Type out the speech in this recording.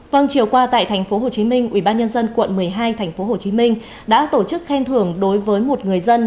vâng chiều qua tại tp hcm ubnd quận một mươi hai tp hcm đã tổ chức khen thưởng đối với một người dân